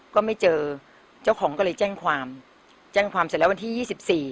ก็ไม่เจอเจ้าของก็เลยแจ้งความแจ้งความเสร็จแล้ววันที่ยี่สิบสี่